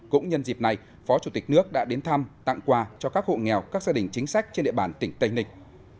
cũng nhân dịp này phó chủ tịch nước đã đến thăm tặng quà cho các hộ nghèo các gia đình chính sách trên địa bàn tỉnh tây ninh